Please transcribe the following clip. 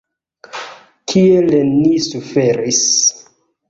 Kiel ni suferis!